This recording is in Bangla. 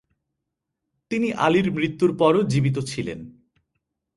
তিনি আলীর মৃত্যুর পরও জীবিত ছিলেন।